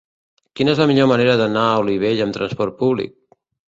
Quina és la millor manera d'anar a Olivella amb trasport públic?